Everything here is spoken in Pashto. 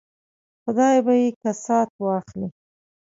خدای به یې کسات واخلي.